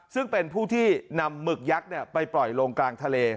ซึ่งเป็นผู้ที่นำหมึกยักษ์ไปปล่อยลงกลางทะเล